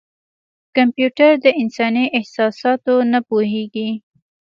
کمپیوټر د انساني احساساتو نه پوهېږي.